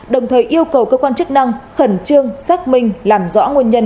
đồng thời yêu cầu cơ quan chức năng khẩn trương xác minh làm rõ nguồn nhân